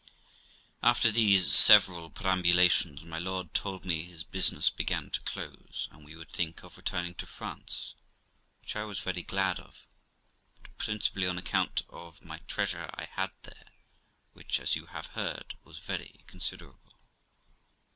After these several perambulations, my lord told me his business began to close, and we would think of returning to France, which I was very THE LIFE OF ROXANA 255 glad of, but principally on account of my treasure I had there, which, as you have heard, was very considerable.